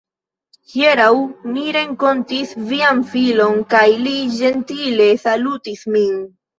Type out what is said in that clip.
Hieraŭ mi renkontis vian filon, kaj li ĝentile salutis min.